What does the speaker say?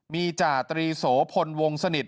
มีจ่าตรีโสพลวงสนิท